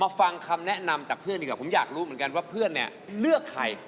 ฟังคำแนะนำจากเพื่อนดีกว่าผมอยากรู้เหมือนกันว่าเพื่อนเนี่ยเลือกใคร